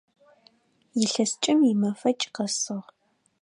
Илъэсыкӏэм имэфэкӏ къэсыгъ.